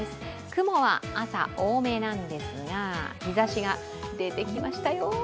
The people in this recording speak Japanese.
雲は朝、多めなんですが日ざしが出てきましたよ。